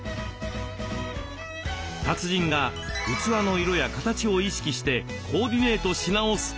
達人が器の色や形を意識してコーディネートし直すと。